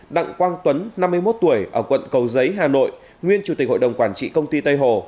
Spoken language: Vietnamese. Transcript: đặng quang tuấn năm mươi một tuổi ở quận cầu giấy hà nội nguyên chủ tịch hội đồng quản trị công ty tây hồ